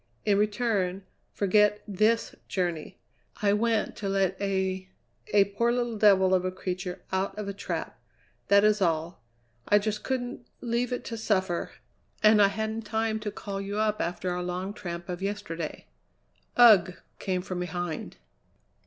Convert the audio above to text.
In return, forget this journey. I went to let a a poor little devil of a creature out of a trap. That is all. I just couldn't leave it to suffer and I hadn't time to call you up after our long tramp of yesterday." "Ugh!" came from behind.